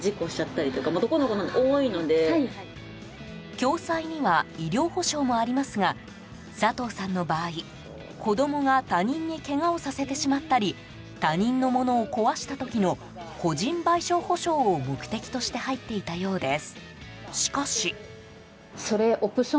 共済には医療保障もありますが佐藤さんの場合子供が他人にけがをさせてしまったり他人のものを壊した時の個人賠償保障を目的として入っていたようです。